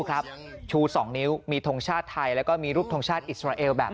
ชู๒นิ้วมีทงชาติไทยแล้วก็มีรูปทรงชาติอิสราเอลแบบ